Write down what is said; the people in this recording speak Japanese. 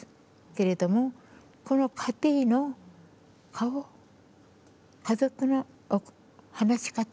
けれどもこの家庭の顔家族の話し方。